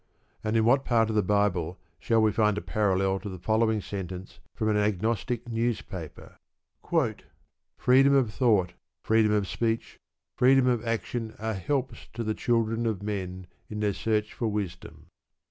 And in what part of the Bible shall we find a parallel to the following sentence, from an Agnostic newspaper: Freedom of thought, freedom of speech, freedom of action are helps to the children of men in their search for wisdom.